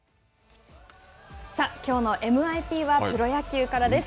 さあ、きょうのＭＩＰはプロ野球からです。